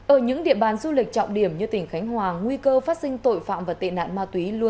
ở những địa bàn du lịch trọng điểm như tỉnh khánh hòa nguy cơ phát sinh tội phạm và tệ nạn ma túy luôn